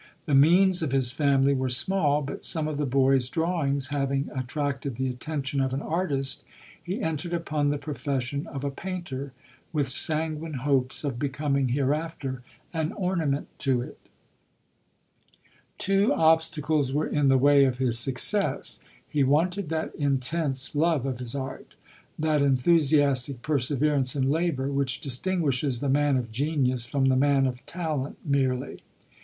The means of his family were small, but some of the boy's drawings having at tracted the attention of an artist, he entered upon the profession of a painter, with sanguine hop of becoming hereafter an ornament to it. Two obstacles were in the way of his succesi He wanted that intense love of his art — thai VOL. I. i) 50 LODORE. enthusiastic perseverance in labour, which dis tinguishes the man of genius from the man of talent merely.